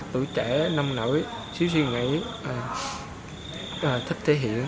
tuổi trẻ năm nổi xíu suy nghĩ thích thể hiện